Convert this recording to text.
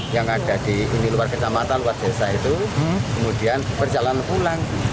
yang ada di luar kecamatan luar desa itu kemudian berjalan pulang